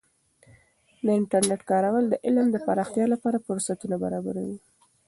د انټرنیټ کارول د علم د پراختیا لپاره فرصتونه برابروي.